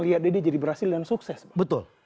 liat deh dia jadi berhasil dan sukses bang betul